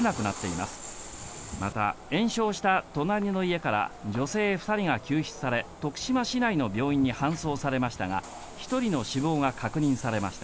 また延焼した隣の家から女性２人が救出され、徳島市内の病院に搬送されましたが１人の死亡が確認されました。